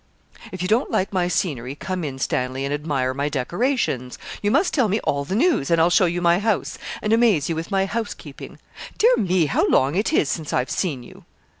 'If you don't like my scenery, come in, Stanley, and admire my decorations. You must tell me all the news, and I'll show you my house, and amaze you with my housekeeping. Dear me, how long it is since I've seen you.'